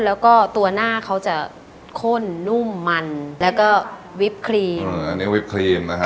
แล้วก็ตัวหน้าเขาจะข้นนุ่มมันแล้วก็วิปครีมอันนี้วิปครีมนะฮะ